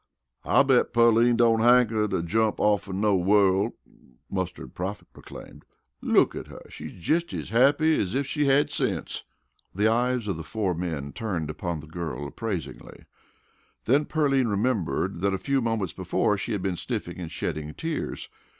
"I bet Pearline don't hanker to jump offen no worl'," Mustard Prophet proclaimed. "Look at her she's jes' as happy as ef she had sense." The eyes of the four men turned upon the girl appraisingly. Then Pearline remembered that a few moments before she had been sniffling and shedding tears.